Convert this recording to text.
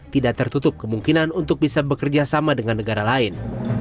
tidak tertutup kemungkinan untuk bisa bekerjasama dengan negara lain